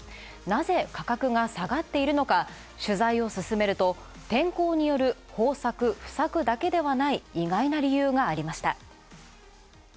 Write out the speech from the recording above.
なぜ価格が下がっているのか、取材を進めると天候による豊作、不作だけではない、意外な理由がありました。